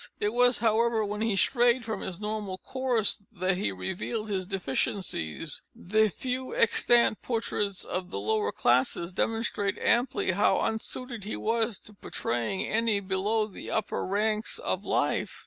It was, however, when he strayed from his normal course that he revealed his deficiencies; the few extant portraits of the lower classes demonstrate amply how unsuited he was to portraying any below the upper ranks of life.